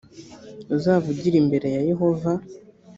uzavugire imbere ya yehova